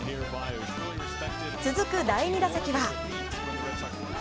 続く第２打席は。